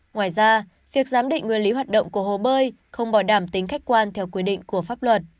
ngoài ra việc giám định nguyên lý hoạt động của hồ bơi không bảo đảm tính khách quan theo quy định của pháp luật